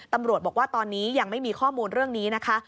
ตำรวจบอกว่าตอนนี้ยังไม่มีข้อมูลเรื่องนี้นะคะ